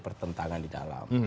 pertentangan di dalam